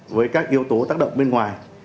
với các yếu tố tác động bên ngoài